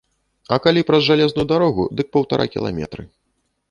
А калі праз жалезную дарогу, дык паўтара кіламетры.